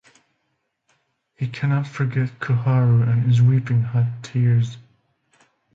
He cannot forget Koharu and is weeping hot tears.